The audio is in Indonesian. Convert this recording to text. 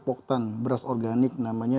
poktan beras organik namanya